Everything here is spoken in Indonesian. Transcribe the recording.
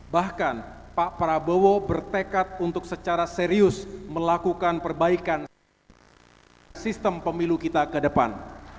bahkan pak prabowo bertekad untuk secara serius melakukan perbaikan sistem pemilu kita ke depan